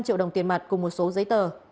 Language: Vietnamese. năm triệu đồng tiền mặt cùng một số giấy tờ